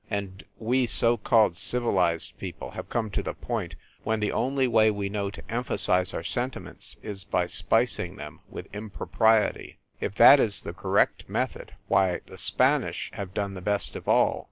And we so called civil ized people have come to the point when the only way we know to emphasize our sentiments is by spicing them with impropriety. If that is the correct method, why the Spanish have done the best of all.